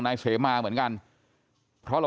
ใช่ค่ะถ่ายรูปส่งให้พี่ดูไหม